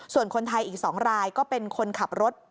ส่วนคนไทยอีก๒รายก็เป็นคนขับรถ